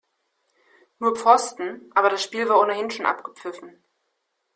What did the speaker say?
Nur Pfosten, aber das Spiel war ohnehin schon abgepfiffen.